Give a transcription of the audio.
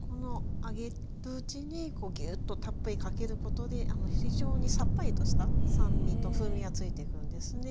揚げるうちにこうぎゅっとたっぷりかけることで非常にさっぱりとした酸味と風味がついてくるんですね。